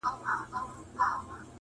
ارمان د مور په تندي